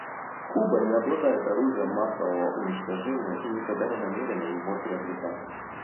Куба не обладает оружием массового уничтожения и никогда не намерена его приобретать.